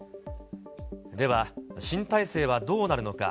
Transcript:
では、新体制はどうなるのか。